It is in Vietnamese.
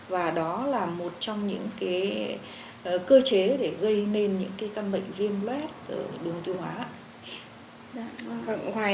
và đó là một trong những cái cơ chế để gây nên những cái căn bệnh viêm loét ở đường tiêu hóa